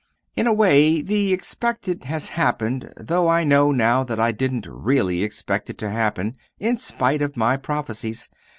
"In a way, the expected has happened though I know now that I didn't really expect it to happen, in spite of my prophecies.